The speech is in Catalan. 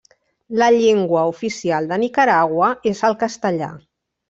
La llengua oficial de Nicaragua és el castellà.